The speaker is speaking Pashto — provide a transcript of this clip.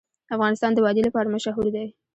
افغانستان د وادي لپاره مشهور دی.